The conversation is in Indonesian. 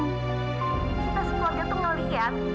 kita sekeluarga tuh ngeliat